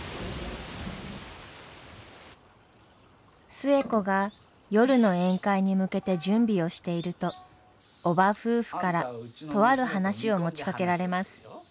寿恵子が夜の宴会に向けて準備をしていると叔母夫婦からとある話を持ちかけられます。